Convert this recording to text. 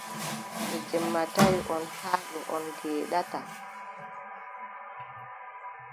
To jemma tawi on haa ɗo, on ngeeɗataa.